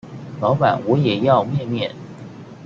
老闆我也要麵麵